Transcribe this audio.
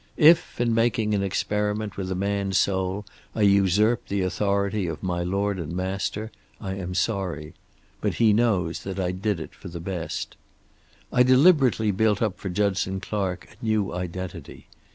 If in making an experiment with a man's soul I usurped the authority of my Lord and Master, I am sorry. But he knows that I did it for the best. "I deliberately built up for Judson Clark a new identity.